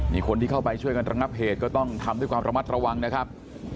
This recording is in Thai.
นี่คนที่เข้าไปช่วยกันระงับเหตุก็ต้องทำด้วยความระมัดระวังนะครับ